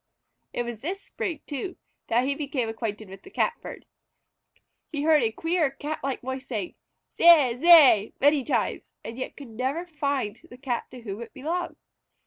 It was this spring, too, that he became acquainted with the Catbird. He heard a queer Cat like voice saying "Zeay! Zeay!" many times, and yet could never find the Cat to whom it belonged.